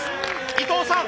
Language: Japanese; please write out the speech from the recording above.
伊藤さん